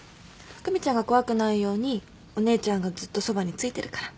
久美ちゃんが怖くないようにお姉ちゃんがずっとそばについてるから。